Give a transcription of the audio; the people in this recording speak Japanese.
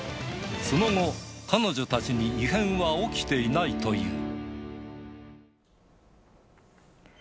その後、彼女たちに異変は起きていないという。